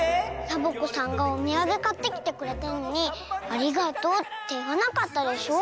サボ子さんがおみやげかってきてくれたのに「ありがとう」っていわなかったでしょ。